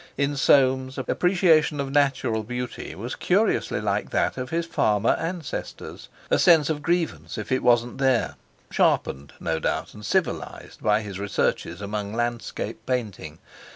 In Soames, appreciation of natural beauty was curiously like that of his farmer ancestors, a sense of grievance if it wasn't there, sharpened, no doubt, and civilised, by his researches among landscape painting.